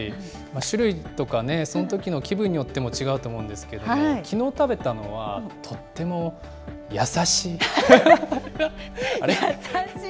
種類とかね、そのときの気分によっても違うと思うんですけども、きのう食べたのはとっても優しい、あれ？